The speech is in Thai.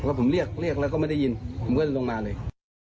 แล้วผมเรียกเรียกแล้วก็ไม่ได้ยินผมก็เลยลงมาเลย